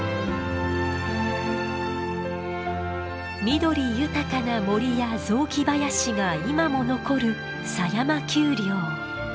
緑豊かな森や雑木林が今も残る狭山丘陵。